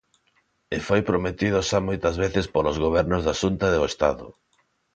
E foi prometido xa moitas veces polos gobernos da Xunta e o Estado.